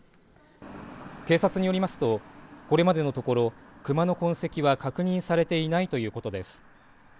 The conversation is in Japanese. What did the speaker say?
警察によりますとこれまでのところ熊の痕跡は確認されていないということです。